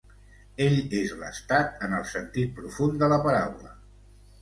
Ell és l’estat en el sentit profund de la paraula.